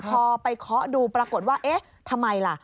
พอไปเขาดูปรากฎว่าทำไมล่ะ